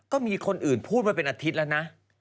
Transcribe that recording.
ก็มีคนอื่นพูดมาเป็นอาทิตย์แล้วนะ